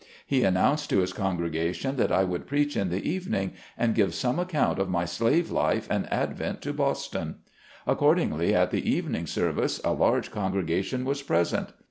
He announced to his congregation that I would preach in the evening, and give some account of my slave life and advent to Boston. Accordingly, at the evening service a large congregation was present.